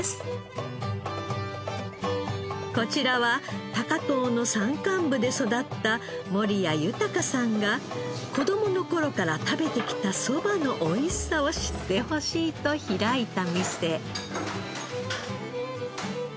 こちらは高遠の山間部で育った守屋豊さんが子供の頃から食べてきたそばのおいしさを知ってほしいと開いた店。